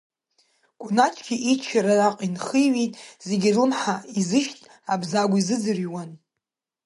Кәначгьы иччара наҟ инхиҩеит, зегьы рлымҳа изышьҭ Абзагә изыӡырҩуан.